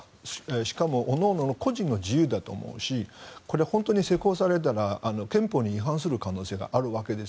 しかもおのおのの個人の自由だと思うしこれ、本当に施行されたら憲法に違反する可能性があるわけです。